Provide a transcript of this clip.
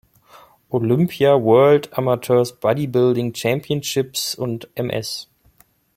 Olympia, World Amateur Bodybuilding Championships, und "Ms.